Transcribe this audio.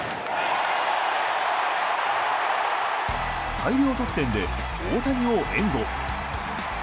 大量得点で大谷を援護。